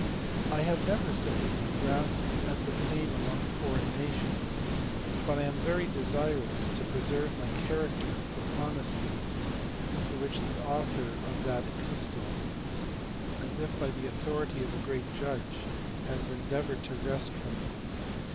"I have never," said he, "grasped at fame among foreign nations, but I am very desirous to preserve my cha racter for honesty, which the author of that epistle, as if by the authority of a great judge, had endeavoured to wrest from me.